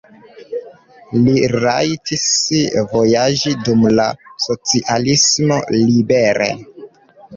Li rajtis vojaĝi dum la socialismo libere.